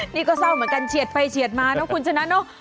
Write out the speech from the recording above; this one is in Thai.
นี่ก็เศร้าเหมือนกันเฉียดไปเฉียดมาเนอะคุณชนะเนอะ